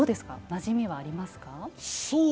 なじみはありますか？